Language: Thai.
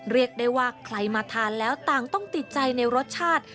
เรียกได้ว่าใครมาทานแล้วต่างต้องติดใจในรสชาติ